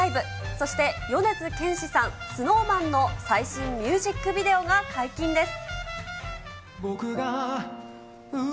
そして米津玄師さん、ＳｎｏｗＭａｎの最新ミュージックビデオが解禁です。